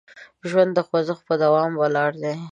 ژوند د خوځښت په دوام ولاړ دی.